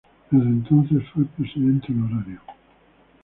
Desde entonces fue presidente honorario.